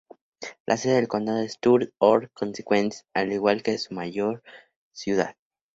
La sede del condado es Truth or Consequences, al igual que su mayor ciudad.